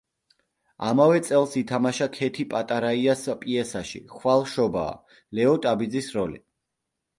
ამავე წელს ითამაშა ქეთი პატარაიას პიესაში „ხვალ შობაა“, ლეო ტაბიძის როლი.